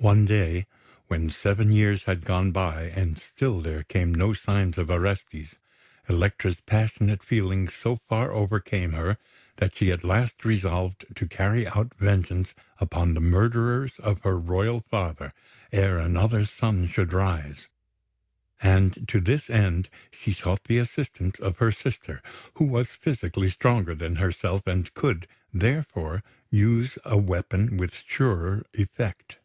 One day, when seven years had gone by and still there came no signs of Orestes, Elektra's passionate feelings so far overcame her that she at last resolved to carry out vengeance upon the murderers of her royal father ere another sun should rise; and to this end she sought the assistance of her sister, who was physically stronger than herself and could, therefore, use a weapon with surer effect.